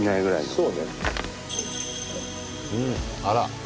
あら。